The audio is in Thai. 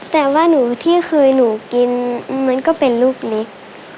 แต่ว่าหนูที่เคยหนูกินมันก็เป็นลูกเล็ก